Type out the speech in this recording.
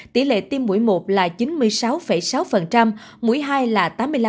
tỷ lệ tiêm mũi một là chín mươi sáu sáu mũi hai là tám mươi năm